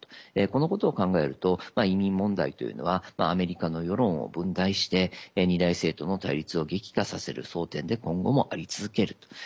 このことを考えると移民問題というのはアメリカの世論を分断して二大政党の対立を激化させる争点で今後もあり続けると。